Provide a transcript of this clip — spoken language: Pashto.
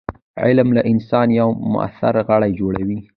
علم له انسانه یو موثر غړی جوړوي.